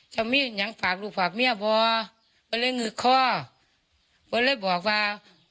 เจ้ามีอย่างฝากลูกฝากแม่บอกเพื่อนเลยงึกคอเพื่อนเลยบอกว่า